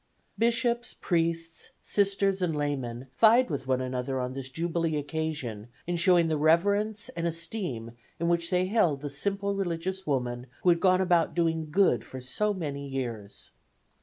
Bishops, priests, Sisters and laymen vied with one another on this jubilee occasion in showing the reverence and esteem in which they held the simple religious woman who had gone about doing good for so many years.